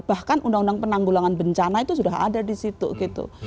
bahkan undang undang penanggulangan bencana itu sudah ada di situ gitu